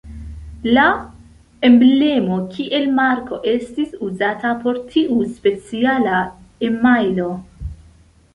La emblemo kiel marko estis uzata por tiu speciala emajlo.